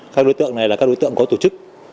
các đối tượng này là các đối tượng có tổ chức